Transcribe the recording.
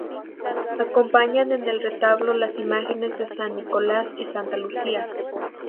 Acompañan en el retablo las imágenes de San Nicolás y Santa Lucía.